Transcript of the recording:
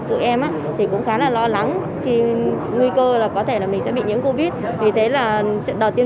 tụi em thì cũng khá là lo lắng nguy cơ là có thể là mình sẽ bị nhiễm covid vì thế là đợt tiêm